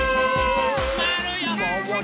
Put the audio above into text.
まわるよ。